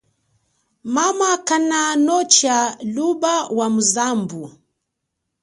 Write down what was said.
Mama kanotsha luba wa muzambu.